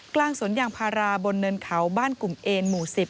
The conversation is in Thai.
กลางสวนยางพาราบนเนินเขาบ้านกลุ่มเอนหมู่๑๐